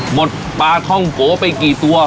ปลาท่องโกไปกี่ตัว